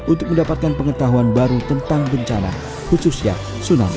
untuk mendapatkan pengetahuan baru tentang bencana khususnya tsunami